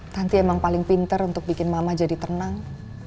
nanti emang paling pinter untuk bikin mama jadi tenang